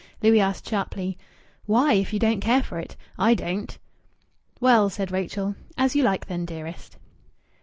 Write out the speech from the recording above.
Louis asked, sharply "Why, if you don't care for it? I don't." "Well " said Rachel. "As you like, then, dearest."